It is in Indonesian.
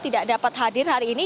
tidak dapat hadir hari ini